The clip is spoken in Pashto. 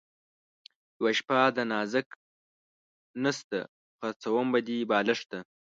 یوه شپه ده نازک نسته ـ خرڅوم به دې بالښته